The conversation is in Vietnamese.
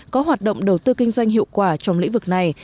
có hoạt động đầu tư kinh doanh hiệu quả trong lĩnh vực này